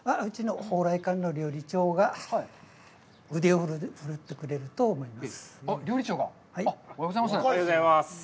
うちの蓬莱館の料理長が腕を振るってくれると思います。